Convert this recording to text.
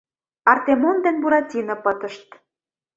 — Артемон ден Буратино пытышт...